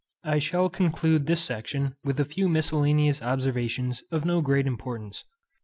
I shall conclude this section with a few miscellaneous observations of no great importance.